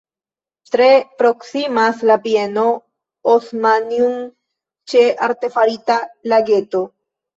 Tre proksimas la bieno "Osmantinum" ĉe artefarita lageto.